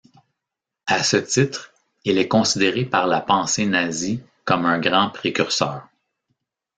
A ce titre, il est considéré par la pensée nazie comme un grand précurseur.